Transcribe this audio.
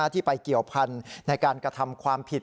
ที่ไปเกี่ยวพันธุ์ในการกระทำความผิด